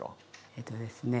えっとですね